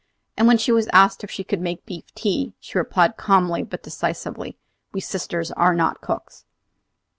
And when she was asked if she could make beef tea, she replied calmly but decisively, "We sisters are not cooks."